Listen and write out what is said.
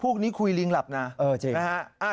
พวกนี้คุยลิงหลับนะเออจริงนะฮะ